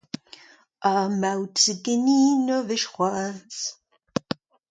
Ar maout zo ganin ur wech c'hoazh.